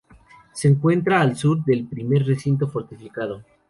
Se encuentra al sur del Primer Recinto Fortificado.